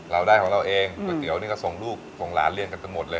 เราได้ของเราเองก๋วยเตี๋ยวนี่ก็ส่งลูกส่งหลานเรียนกันไปหมดเลย